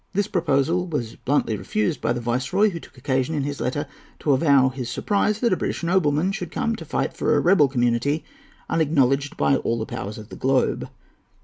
This proposal was bluntly refused by the Viceroy, who took occasion, in his letter, to avow his surprise that a British nobleman should come to fight for a rebel community "unacknowledged by all the powers of the globe."